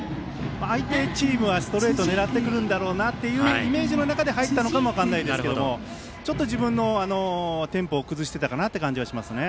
相手チームはストレートを狙ってくるんだろうなというイメージの中で入ったのかも分からないんですけども自分のテンポを崩していたかなという感じはしますね。